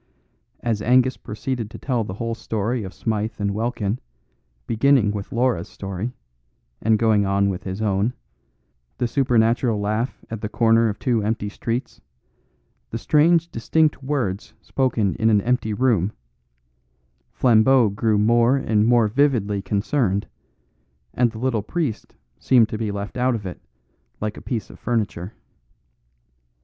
As Angus proceeded to tell the whole tale of Smythe and Welkin, beginning with Laura's story, and going on with his own, the supernatural laugh at the corner of two empty streets, the strange distinct words spoken in an empty room, Flambeau grew more and more vividly concerned, and the little priest seemed to be left out of it, like a piece of furniture.